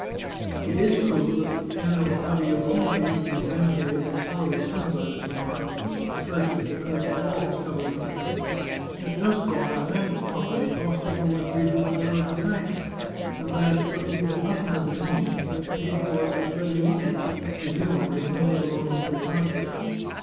It is true that General Fabio Conti, whose vanity had been sorely stung by this remark — the first which oc curred to all his fellow countrymen — had just bought a landed property costing over three hundred thousand francs, and that, though he had nothing of his own, he had paid for it with ready money, presumably money belonging to the marquis.